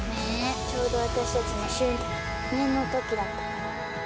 ちょうど私たちの周年の時だった。